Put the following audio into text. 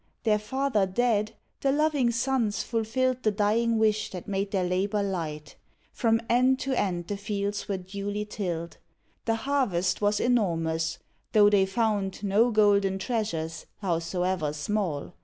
Their father dead, the loving sons fulfilled The dying wish, that made their labour light: From end to end the fields were duly tilled. The harvest was enormous, though they found No golden treasures, howsoever small.